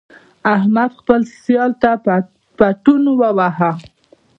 احمد خپل سیال ته پتون وواهه.